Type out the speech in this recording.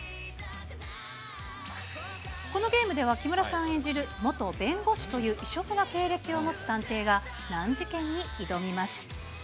このゲームでは、木村さん演じる元弁護士という異色な経歴を持つ探偵が、難事件に挑みます。